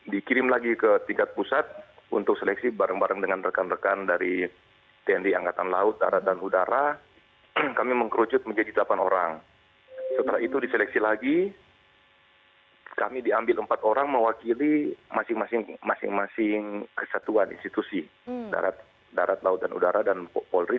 di kirim lagi ke tingkat pusat untuk seleksi bareng bareng dengan rekan rekan dari tnri angkatan laut darat dan udara kami menggerucut menjadi delapan orang setelah itu diseleksi lagi kami diambil empat orang mewakili masing masing kesatuan institusi darat laut dan udara dan mabes poldri